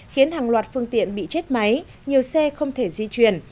khiến hàng loạt phương tiện bị chết máy nhiều xe không thể di chuyển